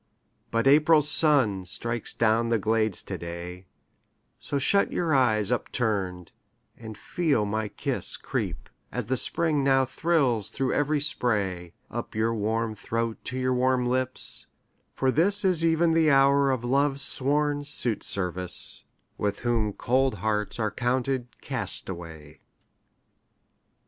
But April's sun strikes down the glades to day; So shut your eyes upturned, and feel my kiss Creep, as the Spring now thrills through every spray, Up your warm throat to your warm lips: for this Is even the hour of Love's sworn suitservice, With whom cold hearts are counted castaway.